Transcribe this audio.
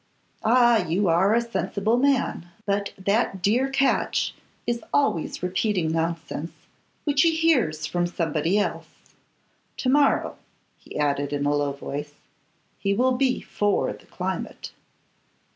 'Ah! you are a sensible man; but that dear Catch is always repeating nonsense which he hears from somebody else. To morrow,' he added, in a low voice, 'he will be for the climate.